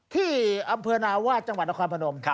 ที่อำเภอนาวาสจังหวัดนครพนม